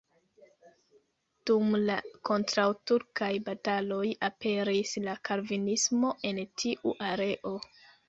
Dum la kontraŭturkaj bataloj aperis la kalvinismo en tiu areo.